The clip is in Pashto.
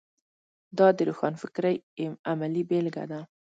دا د روښانفکرۍ عملي بېلګه ده.